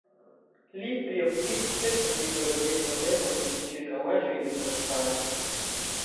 Li priokupiĝis ĉefe pri geologiaj problemoj de ĉirkaŭaĵoj de Koloĵvaro.